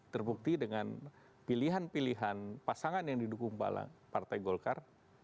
terbukti dengan pilihan pilihan pasangan yang didukung pak partai golkar